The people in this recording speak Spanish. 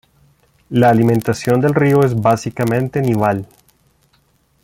La alimentación del río es básicamente nival.